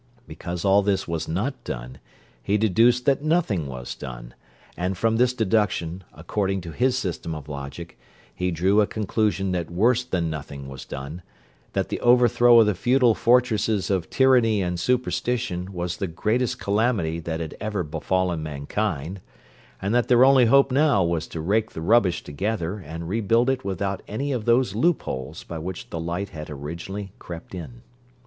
Because all this was not done, he deduced that nothing was done; and from this deduction, according to his system of logic, he drew a conclusion that worse than nothing was done; that the overthrow of the feudal fortresses of tyranny and superstition was the greatest calamity that had ever befallen mankind; and that their only hope now was to rake the rubbish together, and rebuild it without any of those loopholes by which the light had originally crept in.